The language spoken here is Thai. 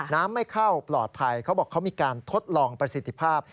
ไม่เข้าปลอดภัยเขาบอกเขามีการทดลองประสิทธิภาพ